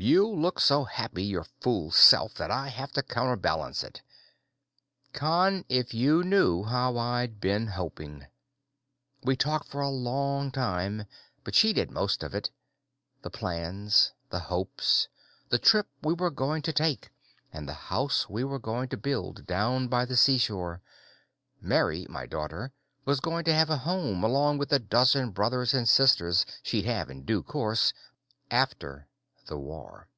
"You look so happy your fool self that I have to counter balance it." "Con, if you knew how I'd been hoping!" We talked for a long time, but she did most of it the plans, the hopes, the trip we were going to take and the house we were going to build down by the seashore "Mary," my daughter, was going to have a home, along with the dozen brothers and sisters she'd have in due course after the war. After the war.